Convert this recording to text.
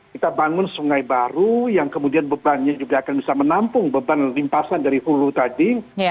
kita bangun sungai baru yang kemudian bebannya juga akan bisa menampung beban limpasan dari hulu tadi